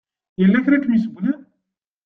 Yella kra i kem-icewwlen?